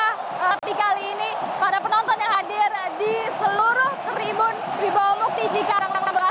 tapi kali ini para penonton yang hadir di seluruh tribun wibawamukni cikarang jawa barat